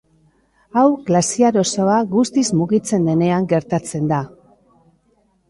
Hau glaziar osoa guztiz mugitzen denean gertatzen da.